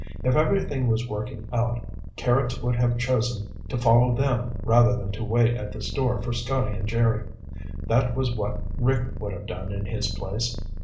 If everything was working out, Carrots would have chosen to follow them rather than to wait at the store for Scotty and Jerry. That was what Rick would have done in his place.